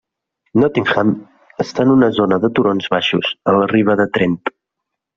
Nottingham està en una zona de turons baixos a la riba del Trent.